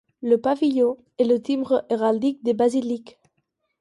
Le pavillon est le timbre héraldique des basiliques.